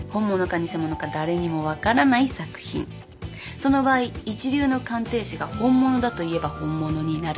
その場合一流の鑑定士が本物だと言えば本物になる。